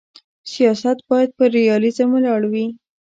سیاست باید پر ریالیزم ولاړ وي.